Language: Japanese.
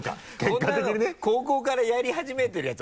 こんなの高校からやり始めてるやつ